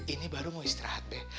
ini baru mau istirahat deh